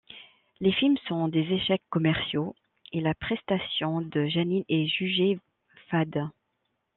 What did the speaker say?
Les films sont des échecs commerciaux et la prestation de Janine est jugée fade.